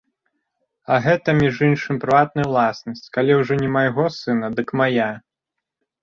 А гэта, між іншым, прыватная ўласнасць, калі ўжо не майго сына, дык мая!